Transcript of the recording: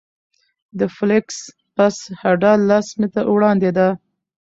د فلېکس بس هډه لس متره وړاندې ده